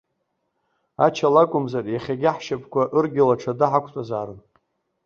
Ача лакәымзар, иахьагьы, ҳшьапқәа ыргьало аҽада ҳақәтәазаарын.